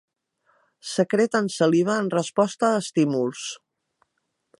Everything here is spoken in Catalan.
Secreten saliva en resposta a estímuls.